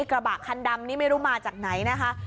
กระบะคันดำนี่ไม่รู้มาจากไหนนะคะ